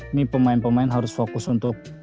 ini pemain pemain harus fokus untuk